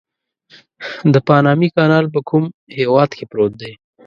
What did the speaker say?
د پانامي کانال په کوم هېواد کې پروت دی؟